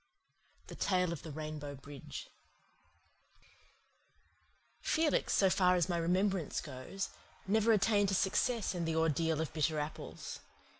THE TALE OF THE RAINBOW BRIDGE Felix, so far as my remembrance goes, never attained to success in the Ordeal of Bitter Apples.